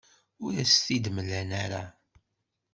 Ur as-t-id-mlan ara.